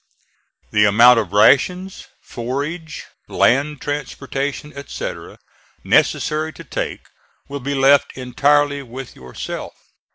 The amount of rations, forage, land transportation, etc., necessary to take, will be left entirely with yourself.